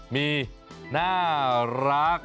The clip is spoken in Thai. มีหน้ารัก